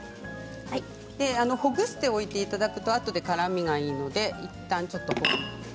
ほぐしておいていただくとあとでからみがいいのでいったん。